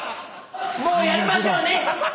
もうやりましょうね。